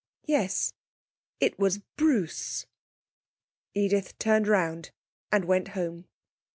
Yes, it was Bruce. Edith turned round and went home.